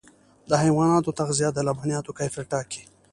د حیواناتو تغذیه د لبنیاتو کیفیت ټاکي.